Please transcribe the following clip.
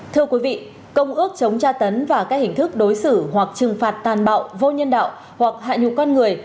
thưa quý vị công ước chống tra tấn và các hình thức đối xử hoặc trừng phạt tàn bạo vô nhân đạo hoặc hạ nhục con người